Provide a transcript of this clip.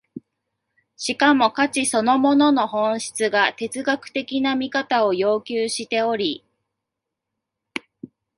しかも価値そのものの本質が哲学的な見方を要求しており、